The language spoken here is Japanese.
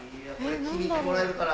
・気に入ってもらえるかな？